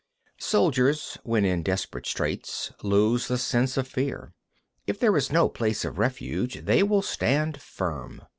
24. Soldiers when in desperate straits lose the sense of fear. If there is no place of refuge, they will stand firm.